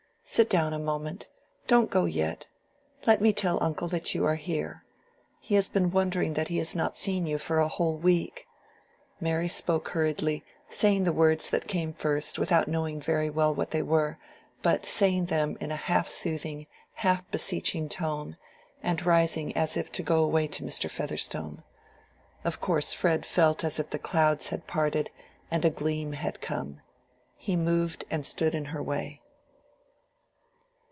Sit down a moment. Don't go yet. Let me tell uncle that you are here. He has been wondering that he has not seen you for a whole week." Mary spoke hurriedly, saying the words that came first without knowing very well what they were, but saying them in a half soothing half beseeching tone, and rising as if to go away to Mr. Featherstone. Of course Fred felt as if the clouds had parted and a gleam had come: he moved and stood in her way.